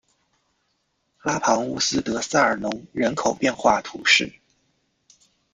拉庞乌斯德塞尔农人口变化图示